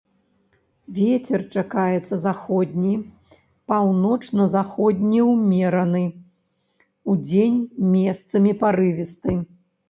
Вецер чакаецца заходні, паўночна-заходні ўмераны, удзень месцамі парывісты.